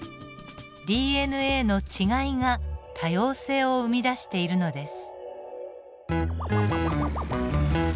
ＤＮＡの違いが多様性を生み出しているのです。